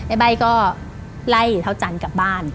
ไอ้ใบ้ก็ไล่เท้าจันกลับบ้าน